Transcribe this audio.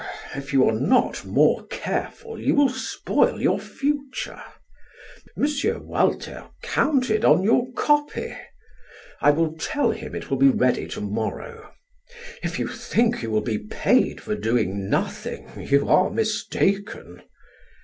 "If you are not more careful, you will spoil your future. M. Walter counted on your copy. I will tell him it will be ready to morrow. If you think you will be paid for doing nothing, you are mistaken."